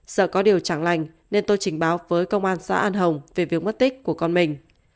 sợ có điều chẳng lành nên tôi trình báo với công an xã an hồng về việc mất tích của con mình